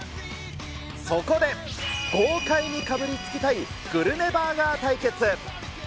そこで、豪快にかぶりつきたいグルメバーガー対決。